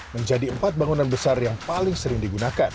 menjadi empat bangunan besar yang paling sering digunakan